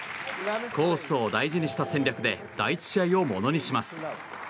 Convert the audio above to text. コースを大事にした戦略で第１試合をものにします。